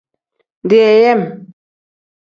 Deyeeyem.